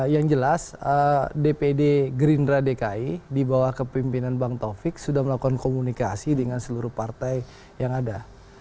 yang jelas dpd gerindra dki di bawah kepimpinan bang taufik sudah melakukan komunikasi dengan seluruh partai yang ada